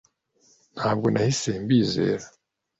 ntabwo nahise mbizera